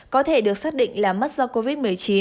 có thể được xác định là mất do covid một mươi chín